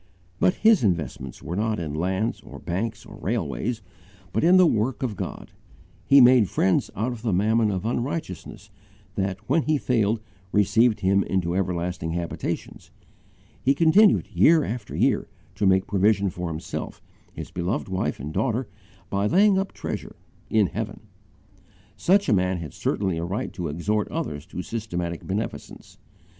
But his investments were not in lands or banks or railways, but in the work of God. He made friends out of the mammon of unrighteousness that when he failed received him into everlasting habitations. He continued, year after year, to make provision for himself, his beloved wife and daughter, by laying up treasure in heaven. Such a man had certainly a right to exhort others to systematic beneficence.